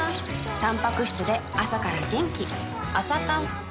たんぱく質で朝から元気